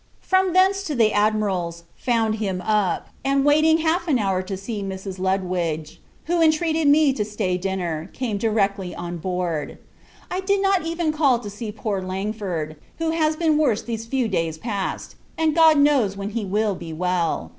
From thence to the Admiral's, found him up; and, waiting half an hour to see Mrs. Lutwidge, who entreated me to stay dinner, came directly on board. I did not even call to see poor Langford; who has been worse these few days past, and God knows when he will be well.